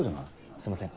すいません。